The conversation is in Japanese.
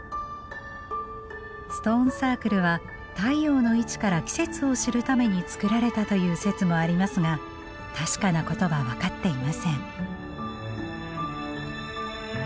ストーンサークルは太陽の位置から季節を知るために作られたという説もありますが確かなことは分かっていません。